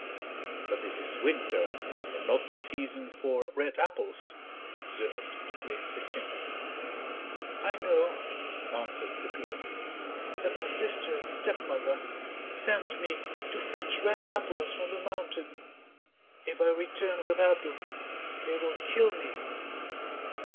"But this is winter, and not the season for red apples," observed the great Setchène. "I know," answered the girl, "but my sister and stepmother, sent me to fetch red apples from the mountain; if I return without them they will kill me."